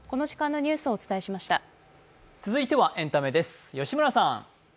続いてはエンタメです、吉村さん。